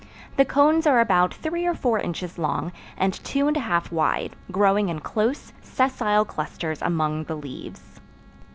The cones are about three or four inches long, and two and a half wide, growing in close, sessile clusters among the leaves.